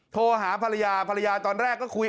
โทรหาภรรยาภรรยาตอนแรกก็คุย